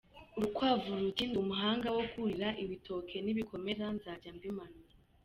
Urukwavu ruti “Ndi umuhanga wo kurira; ibitoke nibikomera nzajya mbimanura.”